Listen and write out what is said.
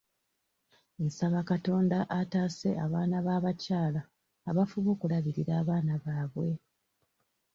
Nsaba Katonda ataase abaana b'abakyala abafuba okulabirira abaana baabwe.